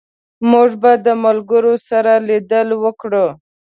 موږ به د ملګرو سره لیدل وکړو